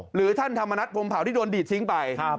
หรือท่านธรรมนัฐพรมเผาที่โดนดีดทิ้งไป